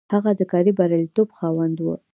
هغه د کاري برياليتوب خاوند و.